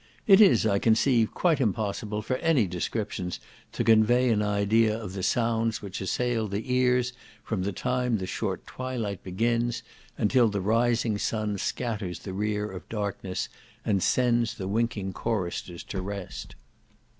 It is, I conceive, quite impossible for any description to convey an idea of the sounds which assail the ears from the time the short twilight begins, until the rising sun scatters the rear of darkness, and sends the winking choristers to rest.